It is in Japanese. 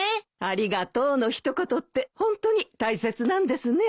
ありがとうの一言ってホントに大切なんですね。